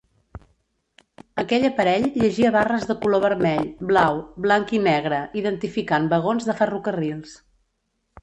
Aquell aparell llegia barres de color vermell, blau, blanc i negre identificant vagons de ferrocarrils.